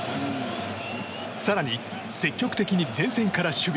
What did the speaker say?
更に積極的に前線から守備。